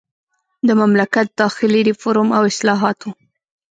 د مملکت داخلي ریفورم او اصلاحات وو.